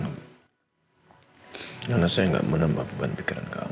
karena saya tidak menambah beban pikiran kamu